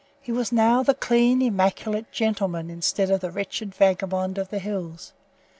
He was now the clean, immaculate gentleman instead of the wretched vagabond of the hills.